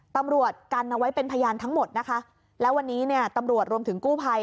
ตำรวจกันเอาไว้เป็นพยานทั้งหมดนะคะแล้ววันนี้เนี่ยตำรวจรวมถึงกู้ภัย